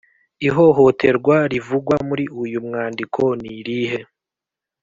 ihohoterwa rivugwa muri uyu mwandiko nirihe